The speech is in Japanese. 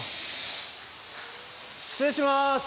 失礼します。